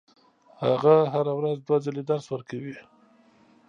هغه هره ورځ دوه ځلې درس ورکوي.